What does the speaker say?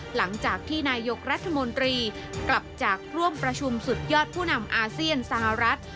หลังจากที่นายกรัฐมนตรีกลับจากร่วมประชุมสุดยอดผู้นำอาเซียนสหรัฐ